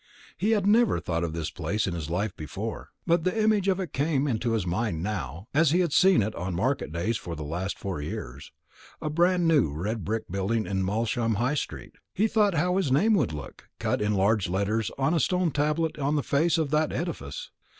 He had never thought of this place in his life before; but the image of it came into his mind now, as he had seen it on market days for the last four years a bran new red brick building in Malsham High street. He thought how his name would look, cut in large letters on a stone tablet on the face of that edifice.